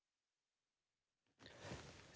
โปรดไลท์ขอบคุณทุกคน